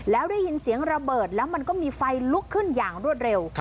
แล้วได้ยินเสียงระเบิดแล้วมันก็มีไฟลุกขึ้นอย่างรวดเร็ว